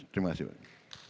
terima kasih pak